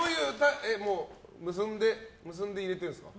結んで、入れてるんですか？